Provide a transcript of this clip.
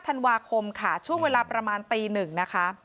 ธันวาคมค่ะช่วงเวลาประมาณตีหนึ่งนะคะ